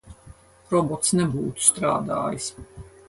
Robots nebūtu strādājis.